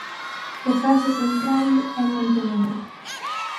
O caso contrario é Montenegro.